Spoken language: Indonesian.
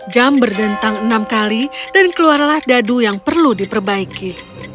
jam berdentang enam kali dan keluarlah dadu yang perlu diperbaiki